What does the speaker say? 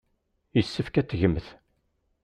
Yessefk ad t-tgemt.